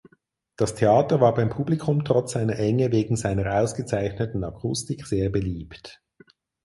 Das Theater war beim Publikum trotz seiner Enge wegen seiner ausgezeichneten Akustik sehr beliebt.